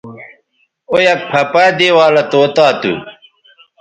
او یک پَھہ پہ دے والہ طوطا تھو